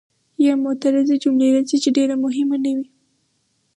یا معترضه جمله راځي چې ډېره مهمه نه وي.